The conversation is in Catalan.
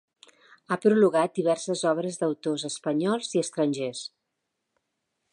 Ha prologat diverses obres d'autors espanyols i estrangers.